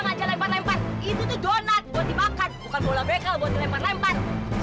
nggak aja lempar lempar itu tuh donat buat dimakan bukan bola bengkel buat dilempar lempar